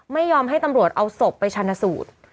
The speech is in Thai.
ไม่ยอมให้ตำรวจเอาศพไปชนะสูตร